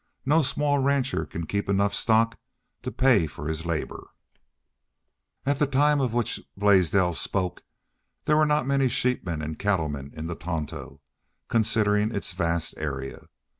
No small rancher can keep enough stock to pay for his labor." At the time of which Blaisdell spoke there were not many sheepmen and cattlemen in the Tonto, considering its vast area.